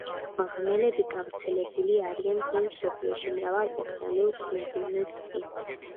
მღრღნელები გავრცელებული არიან მთელ მსოფლიოში, მრავალ ოკეანურ კუნძულზეც კი.